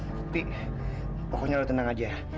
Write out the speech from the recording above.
tapi pokoknya lo tenang aja